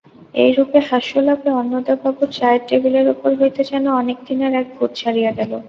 এইরূপে হাস্যলাপে অন্নদাবাবুর চায়ের টেবিলের উপর হইতে যেন অনেক দিনের এক ভূত ছাড়িয়া গেল।